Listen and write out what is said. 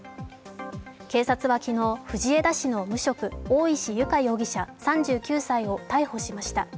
警察は昨日、藤枝市の無職、大石由佳容疑者３９歳を逮捕しました。